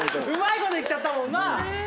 うまいこといっちゃったもんな！